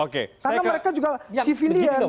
karena mereka juga civilian